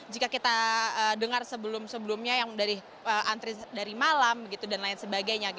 jika kita dengar sebelum sebelumnya yang dari antri dari malam dan lain sebagainya